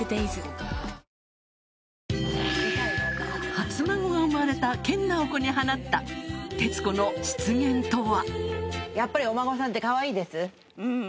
初孫が生まれた研ナオコに放った徹子の失言とは